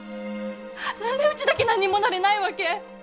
何でうちだけ何にもなれないわけ？